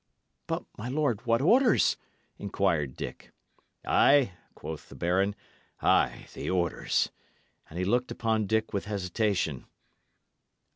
"But, my lord, what orders?" inquired Dick. "Ay," quoth the baron, "ay the orders;" and he looked upon Dick with hesitation.